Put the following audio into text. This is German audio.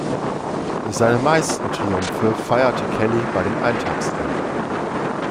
Seine meisten Triumphe feierte Kelly bei den Eintagesrennen.